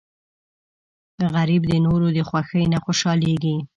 غریب د نورو د خوښۍ نه خوشحالېږي